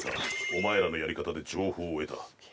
お前らのやり方で情報を得た。